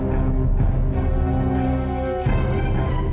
yang sepupu senang